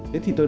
thế thì tôi